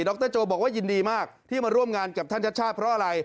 รโจบอกว่ายินดีมากที่มาร่วมงานกับท่านชัดชาติเพราะอะไร